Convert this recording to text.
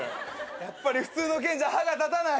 やっぱり普通の剣じゃ歯が立たない。